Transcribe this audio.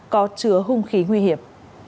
có chứa hung khí nguy hiểm